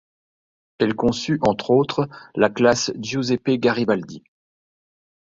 Elle conçut, entre autres, la classe Giuseppe Garibaldi.